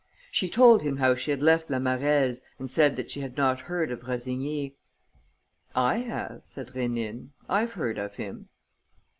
She told him how she had left La Marèze and said that she had not heard of Rossigny. "I have," said Rénine. "I've heard of him."